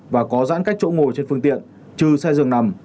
và có giãn cách chỗ ngồi trên phương tiện trừ xe dường nằm